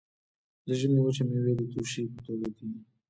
د ژمي وچې میوې د توشې په توګه دي.